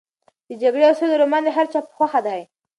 د جګړې او سولې رومان د هر چا په خوښه دی.